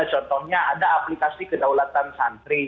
contohnya ada aplikasi kedaulatan santri